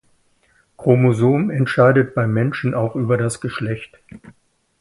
Chromosom entscheidet beim Menschen auch über das Geschlecht.